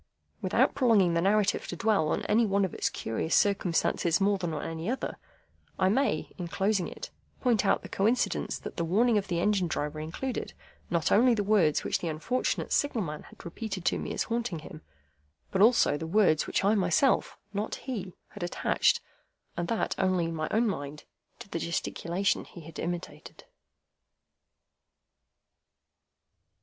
Without prolonging the narrative to dwell on any one of its curious circumstances more than on any other, I may, in closing it, point out the coincidence that the warning of the Engine Driver included, not only the words which the unfortunate Signal man had repeated to me as haunting him, but also the words which I myself—not he—had attached, and that only in my own mind, to the gesticulation he had imitated.